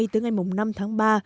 tới ngày năm tháng ba